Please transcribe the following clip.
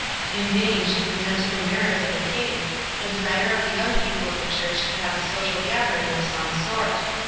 In vain she pre sented the merits of the case, the desire of the young people of the church to have a social gathering of some sort.